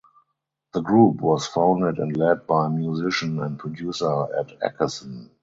The group was founded and led by musician and producer Ed Ackerson.